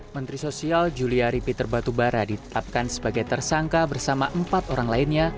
menteri sosial juliari peter batubara ditetapkan sebagai tersangka bersama empat orang lainnya